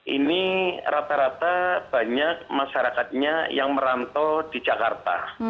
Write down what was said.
ini rata rata banyak masyarakatnya yang merantau di jakarta